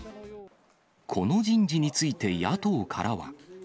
この人事について、野党からは。